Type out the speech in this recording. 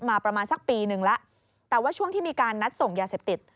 มาสักปีนึงแล้วแต่ช่วงที่มีการนัดส่งยาเสมติด